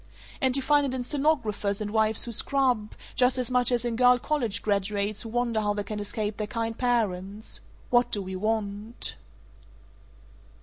And you find it in stenographers and wives who scrub, just as much as in girl college graduates who wonder how they can escape their kind parents. What do we want?"